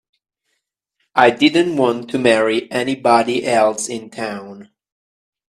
I didn't want to marry anybody else in town.